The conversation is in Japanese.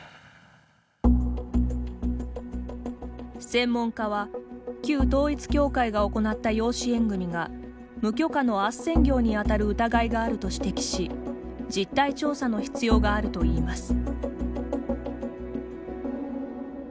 専門家は旧統一教会が行った養子縁組が無許可のあっせん業にあたる疑いがあると指摘し実態調査の必要があるといいます。